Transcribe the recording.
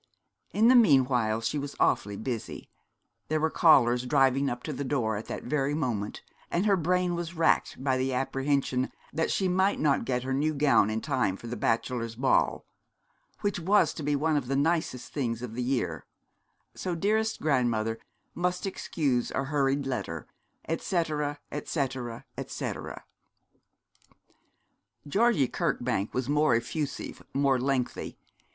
In the meanwhile she was awfully busy; there were callers driving up to the door at that very moment, and her brain was racked by the apprehension that she might not get her new gown in time for the Bachelor's Ball, which was to be quite one of the nicest things of the year, so dearest grandmother must excuse a hurried letter, etc., etc., etc. Georgie Kirkbank was more effusive, more lengthy.